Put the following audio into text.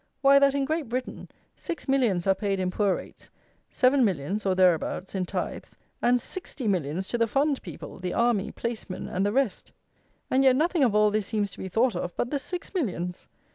Why, that, in Great Britain, six millions are paid in poor rates, seven millions (or thereabouts) in tithes, and sixty millions to the fund people, the army, placemen, and the rest. And yet nothing of all this seems to be thought of but the six millions.